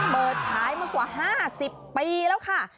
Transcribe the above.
เปิดขายมากว่า๕๐ปีแล้วค่ะ